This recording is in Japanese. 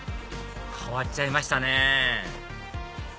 変わっちゃいましたね